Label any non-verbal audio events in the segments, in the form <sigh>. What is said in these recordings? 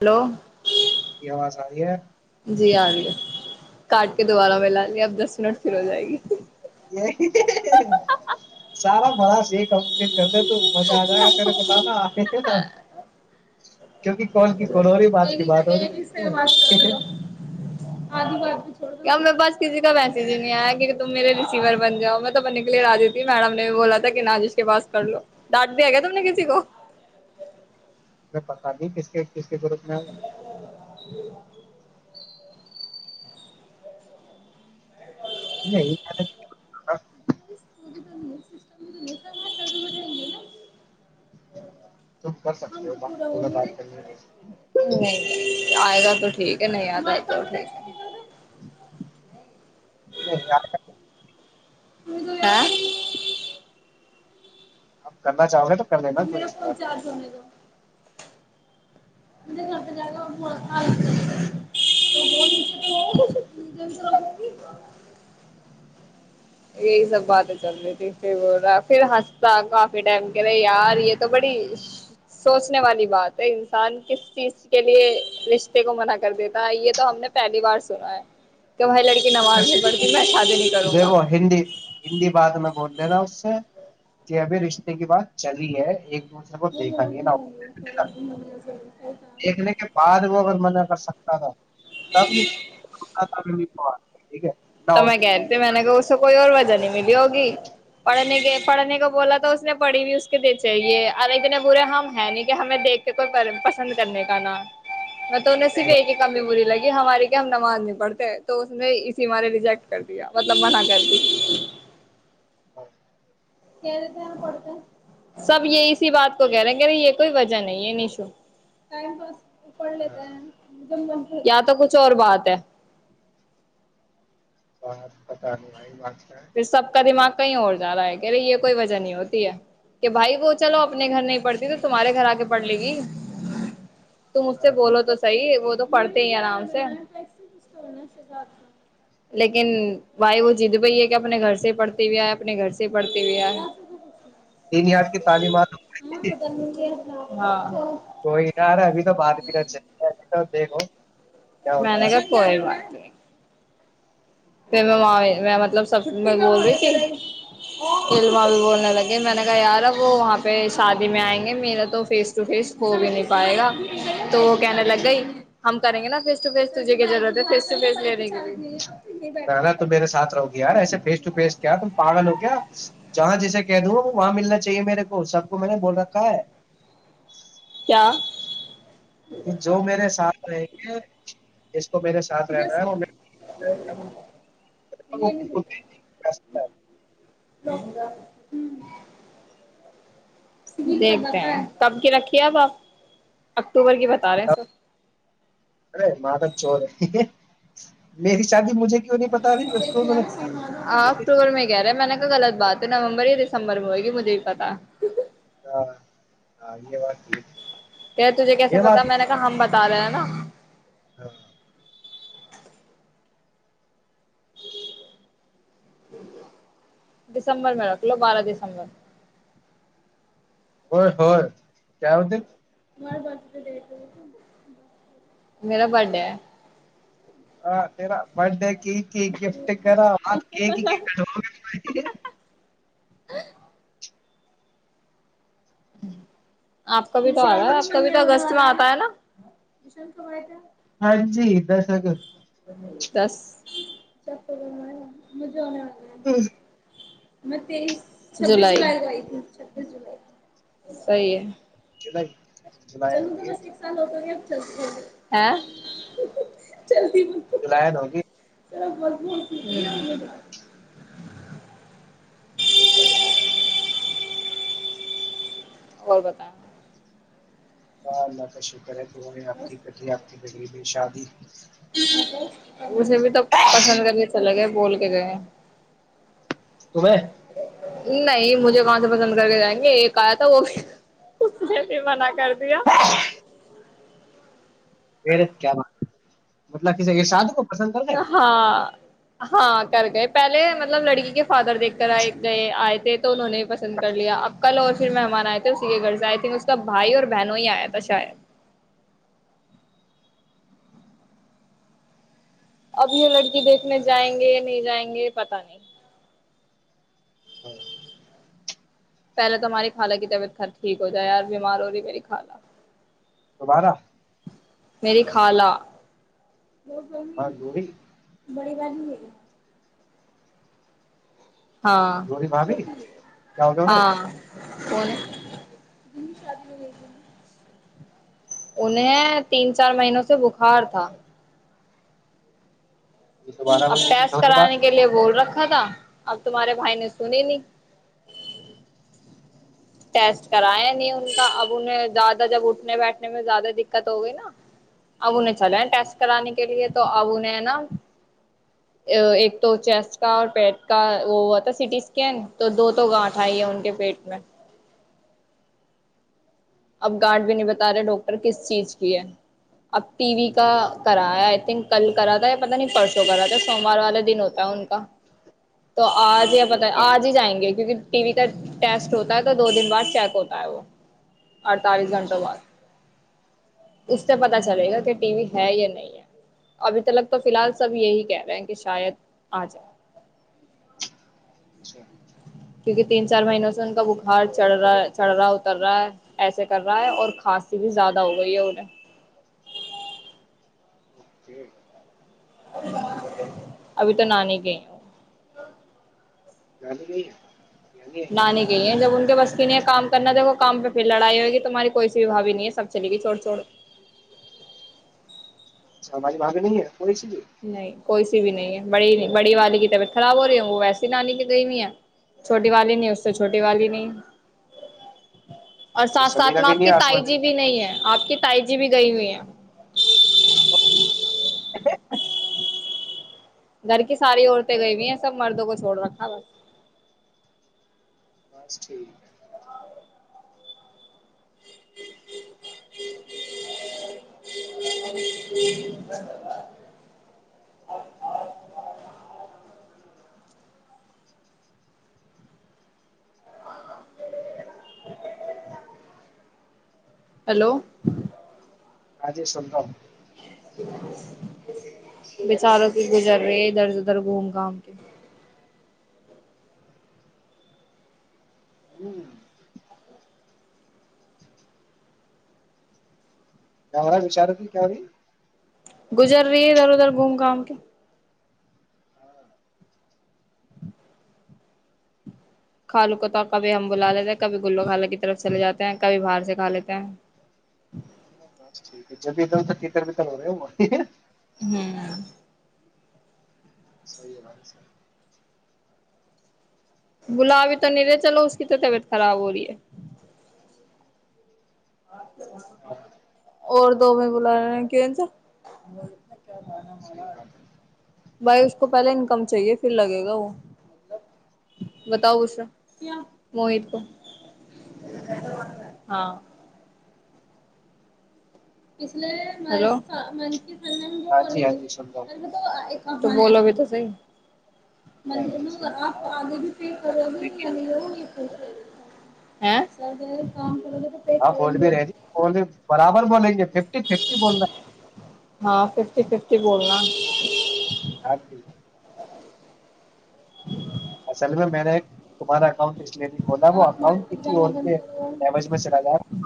hello یہ آواز آ رہی ہے جی آ گے کاٹ کے دوبارہ میں لا لیا اب دس منٹ پھر ہو جائے گی سار بغ سییکم کرتے تو مز آ گ کر ب ل آ نا ایک ہی ایک ہی رہی سےات کر د لو آدو باد بھی چوڑ کیاب میرے پاس کسی کا میسج ہی نہیں آیا کی تم میرے ریسیور بن جاؤ میں تو بننے کے لیے را دیی ت میڈم نے بولا تھا کہ نجش کے پاس کر لو ڈانٹ دیا کیا تم نے کسی کو میں پتہ نہیں کس کے کس کی ضرورت میں ہے نہیں یہ <unintelligible> تم کر سکتے ہو ب ہوگر بات کرنی ہے نہیں آئے گا تو ٹھیک ہے نہیں آد آئے توھ <unintelligible> نہیں آ ہاں آپ کرنا چاہو گے تو کر لینا ہاں کوئی میرا ایسی فون بات چار سنے تھا <unintelligible> یہی سب باتیں چل رہی تھی پھر بول رہا پھر ہنستا کافی ٹائم کہہ رہے یار یہ تو بڑی سوچنے والی بات ہے انسان کس چیز کے لیے رشتے کو منع کر دیتا ہے یہ تو ہم نے پہلی بار سنا ہے تمہاری لڑکی نماز ہے نہیں بڑکن میں شادی نہیں کروں گا دیکھو ہندی ہندی بات میں بول د رہا ہوں اس سے کہ ابھی رشتے کی بات چلی ہے ایک کو دیکھا نہیں ہے نا دیکھنے کے بعد وہ اگر میں نے اگر ا ہاں سب یہ ہے نہ تو اس میں کہہتی میں نے کہ اس سے کوئی اور وجہ م ہوگی پڑھنے کے پڑھنے کو بولا تو اس نے پڑھی بھی اس کے دے چاہیے ارے اتنے برے ہم ہیں نہیں کہ ہمیں دیکھ کے کوئی پسند کرنے کا نا میںط توہ صحیح سےفیکے بات کے کمی بورری لگی کہ ہماری کیا ہم نماز نہیں پڑتے تو اس نے اسی ہمارے رجیکٹ کر دیا مطلب منع کر دی ہاں کہ سب یہ اسی بات کو کہہ رہے کہہ رہے یہ کوئی وجہ نہیں ہے نشو پ پڑ لی تھ ہیں دم بن یا تو کچھ اور بات ہے ب پتاہ نہیں آ بات کیا پھر سب کا دماغ کہیں اور جا رہا ہے کہہ رہے یہ کوئی وجہ نہیں ہوتی ہے کہ بھائی وہ چلو اپنے گھر نہیں پڑتی تو تمہارے گھر آ کے پڑھ لے گی تم اسجھ سے ہے بولو تو صحی وہ تو پڑھتے ہی آرام سے لیکن بھائی وہ جد بھیہ ہے اپنے گھر سے پڑھتے ہوئے ہے اپنے گھر سے پڑھتے ہوئے ہے بنیاد کی تعلیمات ہاں کوئی نہا ار ابھی تو بات بھی ج تو دیکھو کیا م ہوتا ہے نےکا پئے وہا پھر میںاں میں مطلب سب بگور بھی کے علما بھی بولنے لگے میں نے کہا یار اب وہ وہاں پہ شادی میں آئ گے میرا تو فیس ٹو فیس ہو بھی نہیں پائے گا تو وہ کہنے لگ گئی ہم کریں گے نا فیس ٹو فیس تجھے کی ضرورت ہے فیس ٹو فیس لینے کی لی نہ ن تم میرے ساتھ رہو گی یار ایسے فیس ٹو فیس کیا تم پاگل ہو کیا جہاں جیسے کہہ دوں وہاں ملنا چاہیے میرے کو سب کو میں نے بول رکھا ہے کیا جو میرے ساتھ <unintelligible> تو میرے ساتھ رہنا ہے وہا دیکھتے ہیں تب کی رکھی اب آپ اکتوبر کی بتا رہے ہیں سب بالکل ماں کا چور میری شادی مجھے کیوں نہیں پتا رہی اسٹور میں ہاں اکتوبر میں کہہ رہے میں نے کہ غلط بات تو نومبر یا دسمبر میں ہوئےگی مجھے ہی پتا ہے ہاں ہاں یہ بات یہ <unintelligible> کہ تجھے کیسے پتا میں نے کہا ہم بتا رہے ہیں نا ہاں <unintelligible> ڈسمبر م رک لو بارہ دسمبر ہو ہو کیا ہو ت <unintelligible> میرا بر ڈے ہے <unintelligible> ہاں <unintelligible> تیرا برتھ ڈے کیک کی گفٹ کرا ب <unintelligible> آپ کا بھی تو آ رہا بہت ہے آپ کا اچھا بھی تو اگست میں آتا ہے نا شن خبر تھا <unintelligible> ہاں جی د سک <unintelligible> سس س ب مز <unintelligible> م تس جل چھتیس جلائی سی ہے <unintelligible> بائی <unintelligible> چلوں گا بس ایک سال ہو تو گیا <inaudible> ہل <inaudible> تو لائن ہوگی <unintelligible> چلو بت بت <inaudible> اور بتائیں <unintelligible> ہاں اللہ کا شکر ہے <unintelligible> تو ہے آپ کی پتی آپ کی <inaudible> بریب کی شادی <inaudible> اسے بھی تو پسند کر کے چل گئے بول کے گئے <inaudible> تبیں <unintelligible> نہیں مجھے کہاں سے پسند کر کے جائیں گے ایک آیا تھا وہ بھی بھی منا کر <unintelligible> ایا <inaudible> پیرت کیا <inaudible> مطلب کسے ارشاد کو <unintelligible> ہاں <unintelligible> ہاں کر گئے پہلے مطلب لڑکی کے فادر دیکھ کر آئے گئے آئے تھے تو انہوں نے پسند کر لیا اب کل اور پھر مہمان آئے تھے اسی کے گھر سے آئے تھنک اس کا بھائی اور بہنوں ہی آیا تھا شاید <unintelligible> <inaudible> ابھی وہ لڑکی دیکھنے جائیں گے نہیں جائیں گے پت نہیں ہاں <inaudible> پہلے تو ہماری خالہ کی طبیعت خر ٹھیک ہو جائے یار بیمار ہو رہی میری خالہ دوبارہ میری خالہ وہ ہاں لوری بڑی بات ہے <inaudible> ہاں ری بھاابھی کیا ہوتا انیں <unintelligible> <inaudible> کوں ہے انہیں تین چار مہینوں سے بخار تھا یہ دوبارہ ا وہی ریپیٹ پیس ہو رہی بات کرانے کے لیے بول رکھا تھا <inaudible> اب تمہارے بھائی نے سنی نہیں <unintelligible> ٹیسٹ کرایا نہیں ان کا اب انہیں زیادہ جب اٹھنے بیٹھنے میں زیادہ دقت ہو گئی نا اب انہیں <unintelligible> چلے ٹیسٹ کرانے کے لیے <unintelligible> تو اب انہیں نا ایک تو چیسٹ کا اور پیٹ کا وہ ہوا تھا سٹی اسکین تو دو تو گاٹھ آئی ہے ان کے پیٹ میں <unintelligible> اب گارڈ بھی نہیں بتا رہے ڈاکٹر کس چیز کی ہے اب ٹی وی کا کرا ہے آئی تھنک کل کرا تھا پت نہیں پرسوں کرا تھا سوموار والا دن ہوتا ہے ان کا تو <unintelligible> آج ہی پت اچھا آج ہی جائیں گے <inaudible> ٹی وی کا ٹیسٹ ہوتا ہے تو دو دن بعد چیک ہوتا ہے وہ <unintelligible> اڑتالیس گھنٹوں اچھا بعد <inaudible> اس سے پتا چلے گا کہ ٹی وی ہے یا نہیں ہے ابھی تلک تو فی الحال سب یہی کہہ رہے ہیں کہ شاید آ جائے <unintelligible> اچھا کیونکہ تین چار مہینوں سے ان کا بخار چڑ رہا چڑ رہا اتر رہا ہے ایسے کر رہا ہے اور کھانسی بھی زیادہ ہو گئی ہےیں <unintelligible> جی <inaudible> ابھی تو نانی کےئی ہ <inaudible> جدی نہیں ہے <inaudible> نانے کے لیے جب ان کے بس کام کرنا دو کام پہ پھر لڑائی ہوئے گی تمہاری کوئی سھوی نہیں ہے سب چلے گی چھوڑ چھوڑ اچ ہماریے وہاں پہ نہیں ہے کوئی چیز نہیں کوئی بھی نہیںی بڑی والی کی طبیعت خراب ہو رہی ہے وہ ویسی نانی کی گئی بھی ہے چھوٹی والی نہیں اس سے چھوٹی والی نہیں اور اچھا ساتھ ساتھ سمیرہ میں بھی آپ نہیں کی ہے آسما تائی جی بھی نہیں ہے آپ کی تائی جی ج بھی گئی ہوئی ہیں گھر کی ساری عورتیں گئی ہوئی ہیں سب مردوں کو چھوڑ رکھا بس بس ٹھیک ہے ج ہیلو ہجی سلتاوں بیچاروں کی گزر رہے ہے ادھر ادھر گھوم گھام کے ہوں کیا کیا ہو رہا بچارتی کیای گزر رہی ہے ادھر ادھر گھوم گام کے کھالو کو تو کبھی ہم بلا لیتے ہیں کبھی گلو خالہ کی طرف چلے جاتے ہیں کبھی باہر سے کھا لیتے ہیں ہے، بس ٹھیک ہے ج جو بھی ایکم تھک طربت ہو رہا ہو ہوں صحی بات سی بلا بھی تو نہیں رہے چلو اس کی تو طبیعت خراب ہو رہی ہے ہاں اور دو میں بلا رہے ہیں کی سحی بات ہے بھائی اس کو پہلے انکم چاہیے پھر لگے گا وہ بتاؤ گسرا موہت کو ہاں پچھلے م م ہاں جی ہاں جی سن لا ہ تو بولو بھی تو صحی مندر نہیں میں سن آپ رہا ہوں، آگے بھی پے کرو گے یا نہیں ہو یہ پ ہاں س کام ہاں بول بھی رہتیی ف برابر ب ففٹی ففٹی بول رہے ہیں ہاں ففٹی ففٹی بولنا ہے ہ اصل میں نے ایک تمہارا اکانٹ لیے بھی کھ وہ اکاؤنٹ کسی اور کےج میں چلا جائے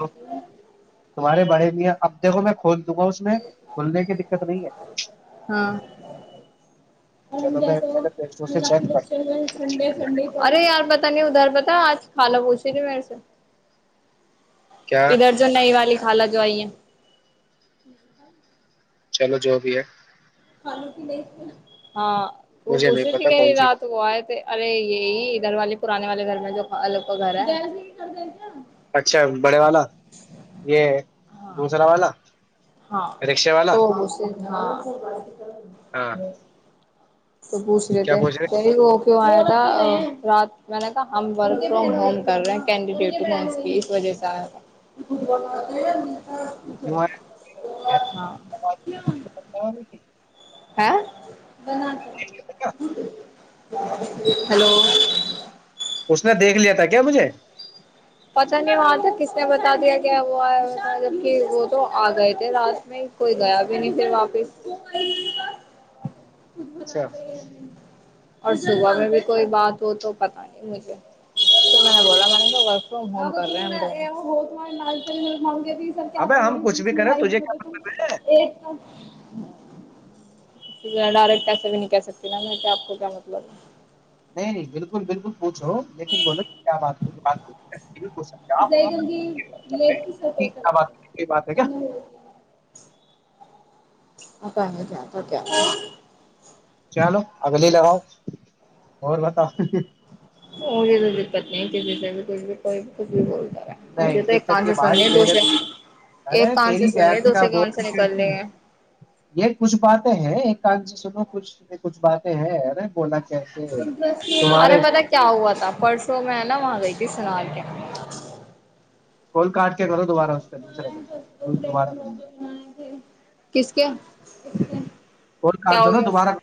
تمہارے بڑے میا اپ دھو میں کھول دوں گا اس میں کھولنے کی دقت نہیں ہے اور ہم چلو میں جیسو پہلے پلے اسٹور ان سے چیک کرتا لکیچر ہو سنڈے ہوں سنڈے کو ارے یار پتا نہیں ادار پتا آج خھالا پوچےے مل سے کیا ادھر جو نہیںئی والی خالا جوائی چلو جو بھی ہے آلوک دیکس نا ہاں وہ مجھے نہیں اسے بھی پتا کہنی کون سی رات کو آئے تھ ارے یہی ادھر والے پرانے والے گھر میں جو الوگ کا گھر ہے اچھا بڑے والا یہ ہاں دوسرا والا ہاں رکشے والا تو ہو ہاں ہاں تو پوچھ کیا لیتے پوچھ رہے صی وہ کیوں آیا تھا رات میں نے تھا ہم ورک فرام ہوم کر رہے ہیں کینڈیڈیٹ ٹ ہوم کی اس وجہ سے آیا تھا ج ہ ہیلو اس نے دیکھ لیا تھا کیا مجھے پتا نہیں وہاں تھا کس نے بتا دیا کیا وہیا مطلب کہ وہ تو آ گئے تھے راس میں کوئی گیا بھی نہیں پھر واپس منا آ اچھا تو یہ اور صبح میں بھی کوئی بات ہو تو پتاہ نہیں مجھے تو میں نے بولا میں نے ل بہت وال لال ت م سر کیا ابے کر ل ہم گ کچھ بیچ بھی میں کریں ل تجھے ہو کیا تو مطلب ہے ایک س ڈائریکٹ پسے بھی نہیں کہ سکتی نا میں کہ آپ کو کیا مطلب ہے نہیں نہیں بالکل بالکل پوچھو لیکن بولے کیا بات بات یہ بھی پوچھ سکتے ہیں ز آپ بات گی کر ل رہے ہیں، کی سرپے ٹھیک کیا بات یہ بات ہے کیا کریں گی س اک کیا توک چلو اگلے لگاؤ اور بتاؤ وہ یہ د پت نہیں کہ کوئی ک بھی بول نہیں دیک کر بھائی میرے ایک ارے کان سے تیری سننے بہن کا دوسرے ب کان سے نکل رہی ہیں یہ کچھ باتیں ہیں ان سے سنو کچھ کچھ باتیں ہیں رے بولا کہ ارے پتا کیا ہوا تھا پرسوں میں ہے نا وہاں گئی تھی سنا کے کول کاٹ کے کرو دوبارہ دوسرا کرنا دوبارہ کرنا اک کال کیا کاٹ ہو دو نا گیا دوبارہ